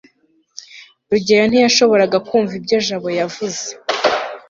rugeyo ntiyashoboraga kumva ibyo jabo yavuze